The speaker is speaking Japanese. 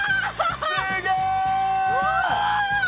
すげえ！わ！